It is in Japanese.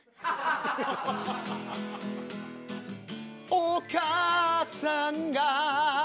お母さんが。